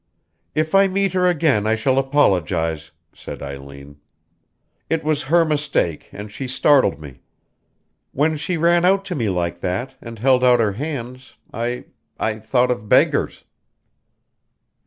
"If I meet her again I shall apologize," said Eileen. "It was her mistake, and she startled me. When she ran out to me like that, and held out her hands I I thought of beggars."